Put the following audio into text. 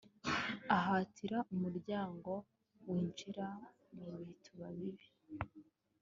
Ahatira umuryango winjira mubituba bibi